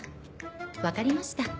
わかりました。